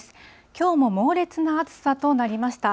きょうも猛烈な暑さとなりました。